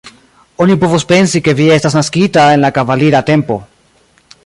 Oni povus pensi, ke vi estas naskita en la kavalira tempo.